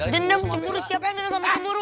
dendam cemburu siapa yang dendam sama cemburu